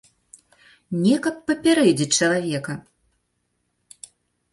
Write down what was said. Не, каб папярэдзіць чалавека!